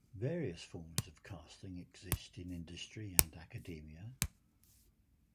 Various forms of casting exist in industry and academia.